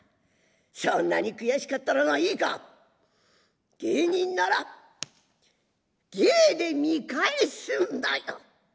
そんなに悔しかったらないいか芸人なら芸で見返すんだよ」。